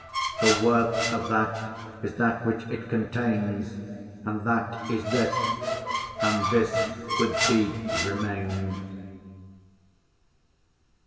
The worth of that is that which it contains, And that is this, and this with thee remains.